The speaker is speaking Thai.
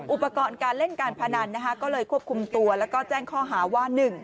อุปกรณ์การเล่นการพนันก็เลยควบคุมตัวแล้วก็แจ้งข้อหาว่า